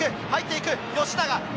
入っていく吉永。